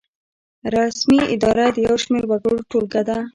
رسمي اداره د یو شمیر وګړو ټولګه ده.